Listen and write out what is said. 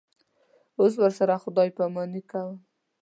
اوس ورسره خدای پاماني کوم.